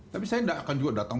tapi saya tidak akan juga datang